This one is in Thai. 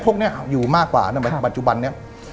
พวกนี้อยู่มากกว่าในปัจจุบันนี้